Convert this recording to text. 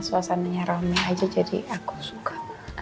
suasananya rame aja jadi aku suka